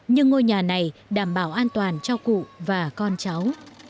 nhưng ngôi nhà này đảm bảo an toàn cho cụ và con cháu